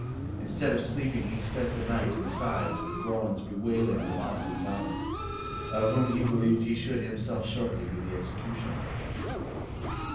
Instead of sleeping, he spent the night in sighs and groans, bewailing the lot of his daughter, of whom he believed he should himself shortly be the executioner.